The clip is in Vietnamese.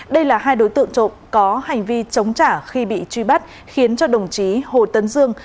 đây là hai đối tượng trộm có hành vi chống trả khi bị truy bắt khiến cho đồng chí hồ tấn dương